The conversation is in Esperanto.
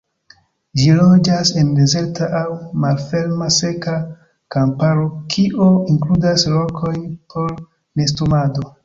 Ĝi loĝas en dezerta aŭ malferma seka kamparo kio inkludas rokojn por nestumado.